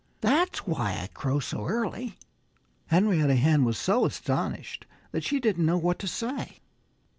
That's why I crow so early." Henrietta Hen was so astonished that she didn't know what to say.